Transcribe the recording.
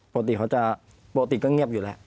ปกติเขาจะปกติก็เงียบอยู่แล้ว